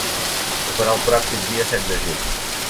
Ho farà el pròxim dia set de juny.